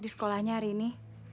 di sekolahnya hari ini